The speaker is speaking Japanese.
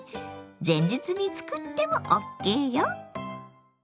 前日に作ってもＯＫよ。